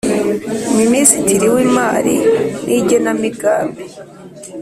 Minisitiri w ‘Imari n ‘Igenemigambi .